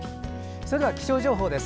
それでは気象情報です。